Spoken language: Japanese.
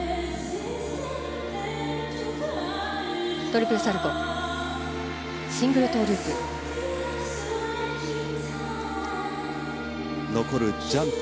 トリプルサルコウシングルトウループ。